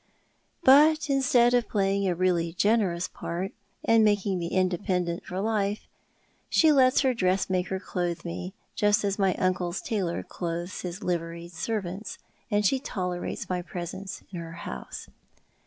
But instead of playing a really generous part, and making me independent for life, she lets her dressmaker clothe me, just as my uncle's tailor clothes his liveried servants, and she tolerates my presence in her house.